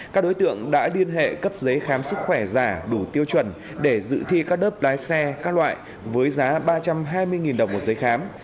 các đối tượng đã liên hệ cấp giấy khám sức khỏe giả đủ tiêu chuẩn để dự thi các lớp lái xe các loại với giá ba trăm hai mươi đồng một giấy khám